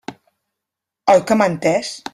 Oi que m'ha entès?